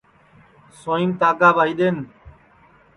سوںئیم دھاگا ٻائی دؔین